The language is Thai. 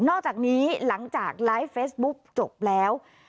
อกจากนี้หลังจากไลฟ์เฟซบุ๊กจบแล้ว